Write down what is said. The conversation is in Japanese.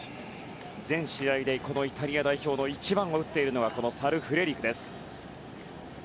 全試合でイタリア代表の１番を打っているのがサル・フレリクです。